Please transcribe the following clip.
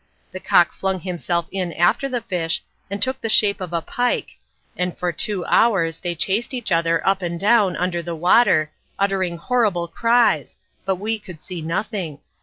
The cock flung himself in after the fish and took the shape of a pike, and for two hours they chased each other up and down under the water, uttering horrible cries, but we could see nothing.